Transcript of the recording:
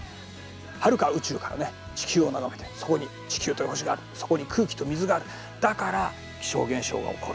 はるか宇宙から地球を眺めてそこに地球という星があるそこに空気と水があるだから気象現象が起こる。